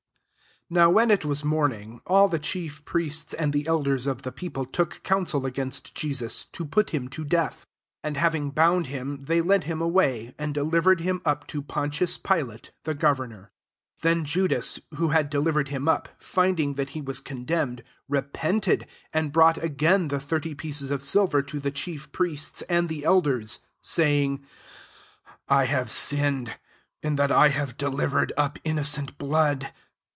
l now when it was morning, all the chief priests and the elders of the peo ple took counsel against Jesus, to put him to death. 2 and hav ing bound him, they led him a^a^y^ and delivered him up to ■ Pontius Pilate the governor* S Then Judas, who had de livered him up, finding that he was condemned, repented, and brought again the thirty pieces of silver to the chief priests and the elders, 4 saying, *• I have sinned, in that I have delivered tip innocent blood."